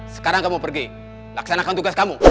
sekarang kamu pergi laksanakan tugas kamu